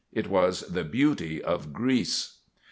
It was the beauty of Greece.